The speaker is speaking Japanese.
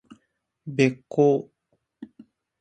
べっ甲